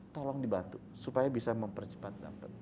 tolong dibantu supaya bisa mempercepat dapat